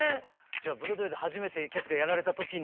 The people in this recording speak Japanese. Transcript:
じゃあブロードウェイで初めて「キャッツ」がやられた時に。